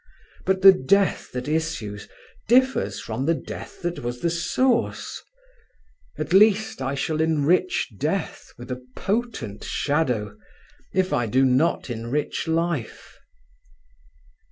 But the death that issues differs from the death that was the source. At least, I shall enrich death with a potent shadow, if I do not enrich life."